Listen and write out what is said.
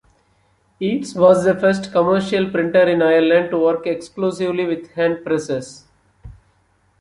Yeats was the first commercial printer in Ireland to work exclusively with hand presses.